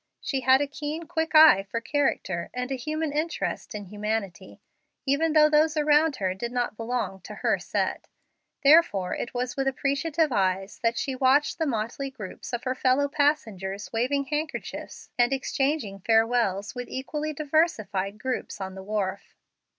She had a keen, quick eye for character, and a human interest in humanity, even though those around her did not belong to her "set." Therefore it was with appreciative eyes that she watched the motley groups of her fellow passengers waving handkerchiefs and exchanging farewells with equally diversified groups on the wharf.